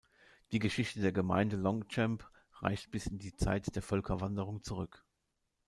Die Geschichte der Gemeinde Longchamp reicht bis in die Zeit der Völkerwanderung zurück.